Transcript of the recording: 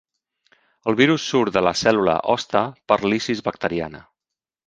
El virus surt de la cèl·lula hoste per lisis bacteriana.